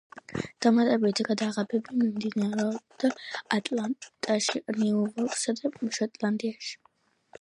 დამატებით გადაღებები მიმდინარეობდა ატლანტაში, ნიუ-იორკსა და შოტლანდიაში.